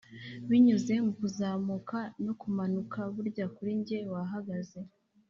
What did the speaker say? binyuze mu kuzamuka no kumanuka, burya kuri njye wahagaze,